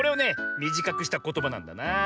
みじかくしたことばなんだなあ。